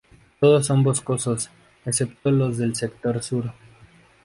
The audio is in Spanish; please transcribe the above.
Todos son boscosos excepto los del sector sur.